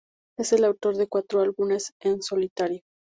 Es el autor de cuatro álbumes en solitario.